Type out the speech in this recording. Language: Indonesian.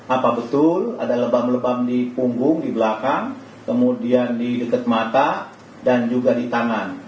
apa betul ada lebam lebam di punggung di belakang kemudian di dekat mata dan juga di tangan